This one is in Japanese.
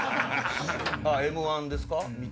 あぁ『Ｍ−１』ですか？